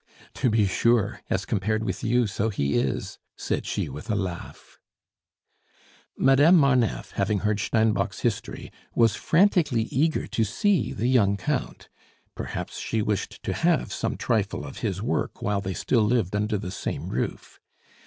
"To be sure, as compared with you so he is!" said she with a laugh. Madame Marneffe, having heard Steinbock's history, was frantically eager to see the young Count; perhaps she wished to have some trifle of his work while they still lived under the same roof.